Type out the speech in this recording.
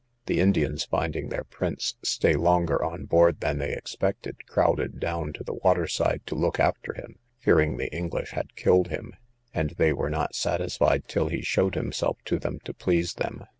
The Indians, finding their prince stay longer on board than they expected, crowded down to the water side to look after him, fearing the English had killed him, and they were not satisfied till he showed himself to them, to please them.